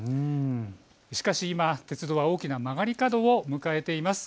しかし今、鉄道は大きな曲がり角を迎えています。